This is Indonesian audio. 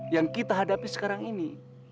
yang kita hadapi sekarang ini